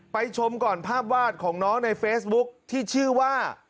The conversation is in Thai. ชมก่อนภาพวาดของน้องในเฟซบุ๊คที่ชื่อว่า